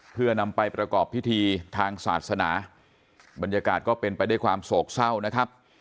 เพื่อนำไปประกอบพิธีทางศาสนาบรรยากาศก็เป็นไปด้วยความโศกเศร้านะครับ